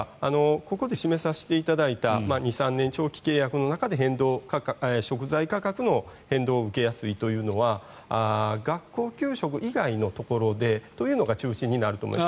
ここで示させていただいた２３年、長期契約の中で食材価格の変動を受けやすいというのは学校給食以外のところでというのが中心になると思います。